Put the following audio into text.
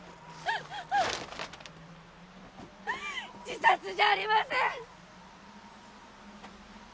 自殺じゃありません！